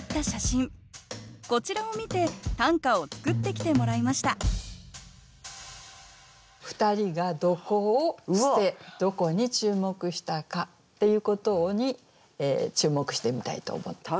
こちらを見て短歌を作ってきてもらいました二人がどこを捨てどこに注目したかっていうことに注目してみたいと思ってます。